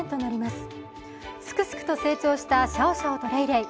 すくすくと成長たシャオシャオとレイレイ。